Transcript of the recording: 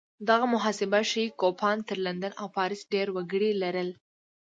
دغه محاسبه ښيي کوپان تر لندن او پاریس ډېر وګړي لرل